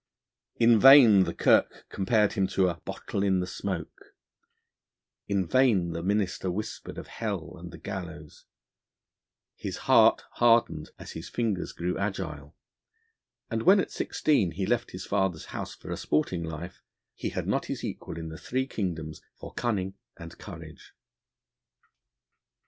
In vain the kirk compared him to a 'bottle in the smoke'; in vain the minister whispered of hell and the gallows; his heart hardened, as his fingers grew agile, and when, at sixteen, he left his father's house for a sporting life, he had not his equal in the three kingdoms for cunning and courage.